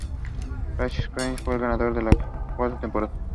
Chris Cheng fue el ganador de la cuarta temporada.